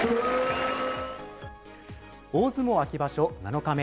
大相撲秋場所７日目。